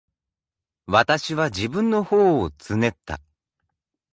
私は自分の頬をつねった。